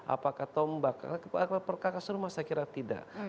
apakah tombak perkakas rumah saya kira tidak